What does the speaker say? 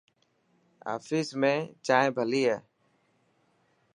آفيس ۾ چائنا ڀلي هي.